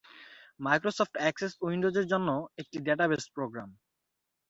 Microsoft Access উইন্ডোজের জন্য একটি ডেটাবেজ প্রোগ্রাম।